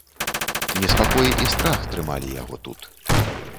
Неспакой і страх трымалі яго тут.